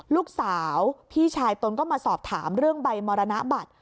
ลูกสาวพี่ชายตนก็มาสอบถามเรื่องใบมรณบัตร